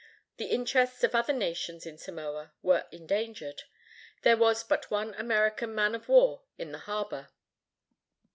The interests of other nations in Samoa were endangered. There was but one American man of war in the harbor.